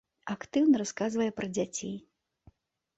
Актыўна расказвае пра дзяцей.